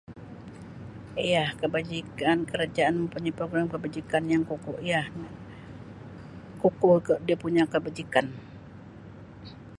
Iya kebajikan kerajaan punya program kebajikan yang ukur ya, ukur dia punya kebajikan.